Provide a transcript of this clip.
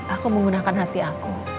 aku menggunakan hati aku